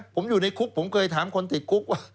ผมอยู่ในคุกผมเคยถามคนติดคุกว่า